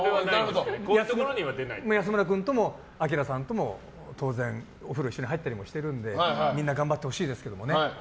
安村君ともアキラさんとも当然、お風呂一緒に入ったりしてるのでみんな頑張ってほしいですけどね。